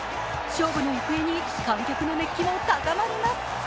勝負の行方に観客の熱気も高まります。